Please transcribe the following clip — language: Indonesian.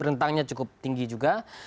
rentangnya cukup tinggi juga